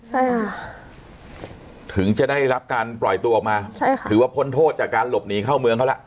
ใช่ค่ะถึงจะได้รับการปล่อยตัวออกมาใช่ค่ะถือว่าพ้นโทษจากการหลบหนีเข้าเมืองเขาแล้ว